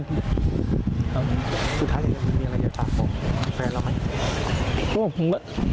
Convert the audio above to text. สุดท้ายยังไม่มีอะไรอยากบอกแฟนเราไหม